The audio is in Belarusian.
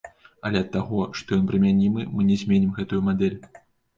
Але ад таго, што ён прымянімы, мы не зменім гэтую мадэль.